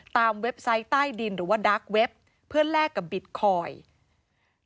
เว็บไซต์ใต้ดินหรือว่าดาร์กเว็บเพื่อแลกกับบิตคอยน์